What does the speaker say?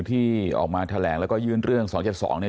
ทางคุณชัยธวัดก็บอกว่าการยื่นเรื่องแก้ไขมาตรวจสองเจน